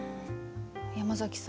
山崎さん